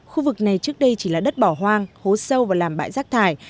khu vực này trước đây chỉ là đất bỏ hoang hố sâu vào làm bãi rác thải